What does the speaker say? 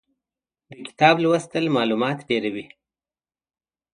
د کتاب لوستل مالومات ډېروي.